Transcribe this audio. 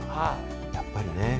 やっぱりね。